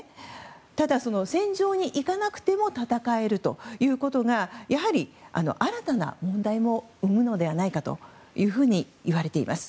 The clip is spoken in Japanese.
ただ、戦場に行かなくても戦えるということがやはり新たな問題も生むのではないかといわれています。